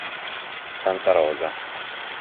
Santa Rosa